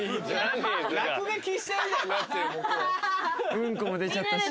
うんこも出ちゃったし。